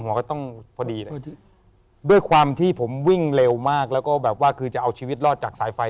ก็ต้องพอดีเลยด้วยความที่ผมวิ่งเร็วมากแล้วก็แบบว่าคือจะเอาชีวิตรอดจากสายไฟ